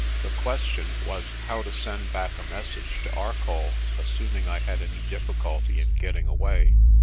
The question was how to send back a message to Arcoll, assuming I had any difficulty in getting away.